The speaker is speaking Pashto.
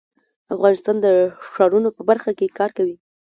افغانستان د ښارونو په برخه کې کار کوي.